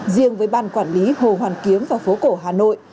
riêng với ban quản lý hồ hoàn kiếm và phố cổ hà nội